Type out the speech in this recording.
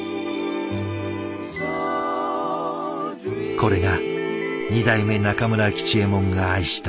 これが二代目中村吉右衛門が愛した昼ごはん。